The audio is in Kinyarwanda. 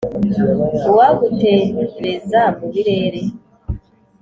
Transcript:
Uwagutereza mu birere